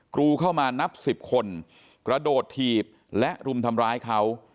กรูเข้ามานับสิบคนกระโดดถีบและรุมทำร้ายเขา